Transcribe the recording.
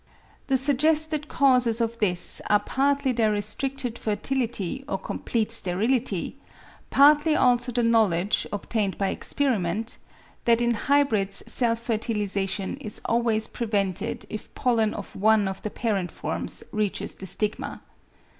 The [suggested] causes of this are partly their restricted fertility or complete sterility; partly also the knowledge, obtained by experiment, that in hybrids self fertilisation is always prevented if pollen of one of the parent forms reaches the stigma.